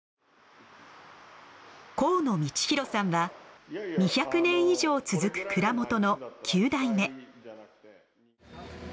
河野通洋さんは２００年以上続く蔵元の９代目。